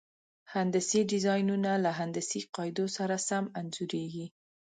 هندسي ډیزاینونه له هندسي قاعدو سره سم انځوریږي.